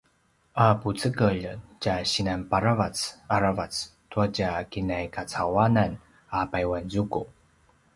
a pucekelj tja sinan paravac aravac tua tja kinai kacauwanan a payuanzuku